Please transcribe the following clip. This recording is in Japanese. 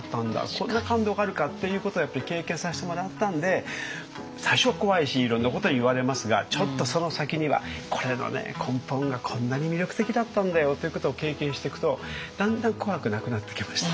こんな感動があるかっていうことをやっぱり経験させてもらったんで最初は怖いしいろんなこと言われますがちょっとその先にはこれのね根本がこんなに魅力的だったんだよっていうことを経験していくとだんだん怖くなくなってきました。